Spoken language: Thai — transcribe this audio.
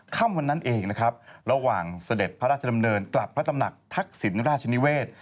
ค่ำวันนั้นเองนะครับระหว่างเสด็จพระราชดำเนินกลับพระตำหนักทักษิณราชนิเวศ